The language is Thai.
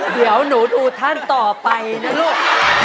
เดี๋ยวหนูดูท่านต่อไปนะลูก